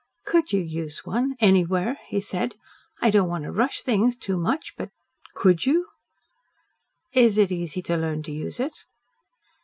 "C COULD you use one anywhere?" he said. "I don't want to rush things too much, but COULD you?" "Is it easy to learn to use it?"